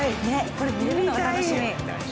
これ見れるのが楽しみ。